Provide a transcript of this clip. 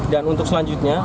dan untuk selanjutnya